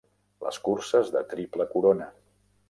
Les curses de triple corona.